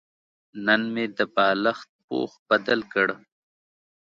نن مې د بالښت پوښ بدل کړ.